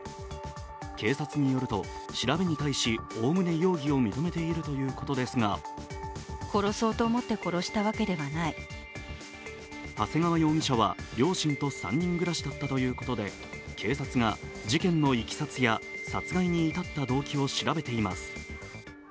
警察によると、調べに対し、おおむね容疑を認めているということですが長谷川容疑者は両親と３人暮らしだったということで警察が事件のいきさつや殺害に至った動機を調べています。